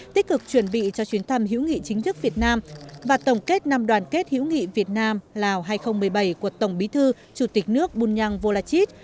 tích cực chuẩn bị cho chuyến thăm hữu nghị chính thức việt nam và tổng kết năm đoàn kết hữu nghị việt nam lào hai nghìn một mươi bảy của tổng bí thư chủ tịch nước bunyang volachit